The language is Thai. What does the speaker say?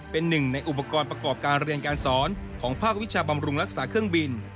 เป็นหนึ่งในอุปกรณ์ประกอบการเรียนการสอนของภาควิชาบำรุงรักษาเครื่องบิน